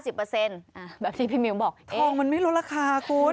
แบบที่พี่มิวบอกทองมันไม่ลดราคาคุณ